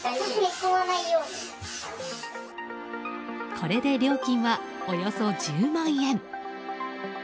これで料金はおよそ１０万円。